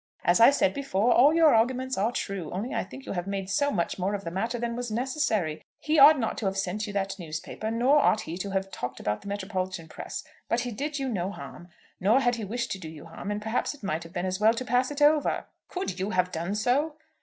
As I said before, all your arguments are true, only I think you have made so much more of the matter than was necessary! He ought not to have sent you that newspaper, nor ought he to have talked about the metropolitan press. But he did you no harm; nor had he wished to do you harm; and perhaps it might have been as well to pass it over." "Could you have done so?"